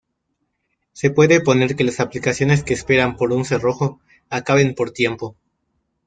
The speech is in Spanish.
Se puede poner que las aplicaciones que esperan por un cerrojo acaben por tiempo.